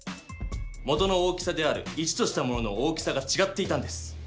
元の大きさである１としたものの大きさがちがっていたんです。